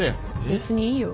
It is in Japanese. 別にいいよ。